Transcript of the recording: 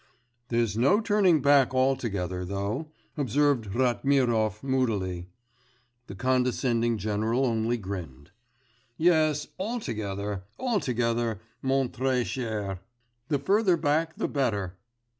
'There's no turning back altogether, though,' observed Ratmirov moodily. The condescending general only grinned. 'Yes, altogether, altogether, mon très cher. The further back the better.